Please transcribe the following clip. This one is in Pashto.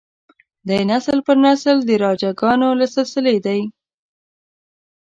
دی نسل پر نسل د راجه ګانو له سلسلې دی.